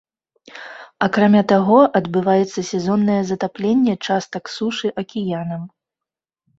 Акрамя таго, адбываецца сезоннае затапленне частак сушы акіянам.